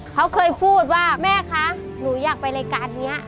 เขาเคยพูดว่าแม่คะหนูอยากไปรายการนี้